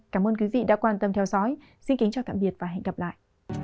cảm ơn quý vị đã quan tâm theo dõi xin kính chào tạm biệt và hẹn gặp lại